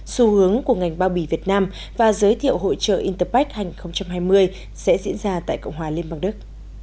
xu hướng của ngành bao bì việt nam và giới thiệu hội trợ interpac hai nghìn hai mươi sẽ diễn ra tại cộng hòa liên bang đức